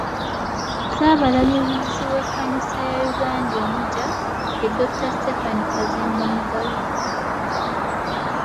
Ssaabalabirizi w’ekkanisa ya Uganda omuggya ye Dr. Stephen Kazimba Mugalu.